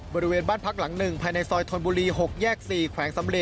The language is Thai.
บริเวณบ้านพักหลัง๑ภายในซอยธนบุรี๖แยก๔แขวงสำลี